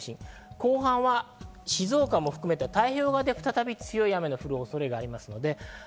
後半は静岡も含めた太平洋側を中心に強い雨が降る恐れがあります。